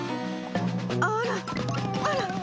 あらあら！